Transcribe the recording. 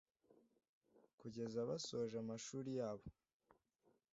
kugeza basoje amashuli yabo.